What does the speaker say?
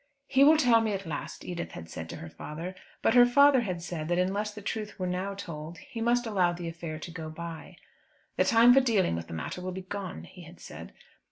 "He will tell me at last," Edith had said to her father. But her father had said, that unless the truth were now told, he must allow the affair to go by. "The time for dealing with the matter will be gone," he had said.